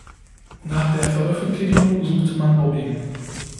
Nach der Veröffentlichung suchte man Bobby.